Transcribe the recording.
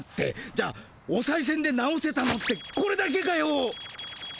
じゃあおさいせんで直せたのってこれだけかよ。